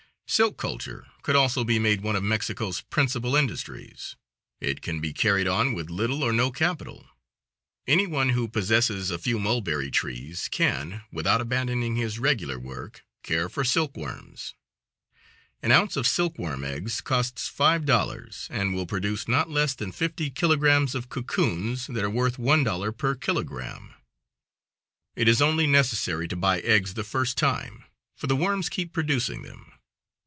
Silk culture could also be made one of Mexico's principal industries. It can be carried on with little or no capital. Any one who possesses a few mulberry tries can, without abandoning his regular work, care for silk worms. An ounce of silk worm eggs costs five dollars, and it will produce not less than fifty kilogrammes of cocoons that are worth one dollar per kilogramme. It is only necessary to buy eggs the first time, for the worms keep producing them.